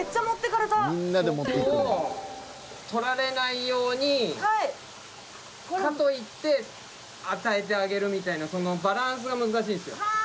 ここを取られないようにかといって与えてあげるみたいなそのバランスが難しいんですよ。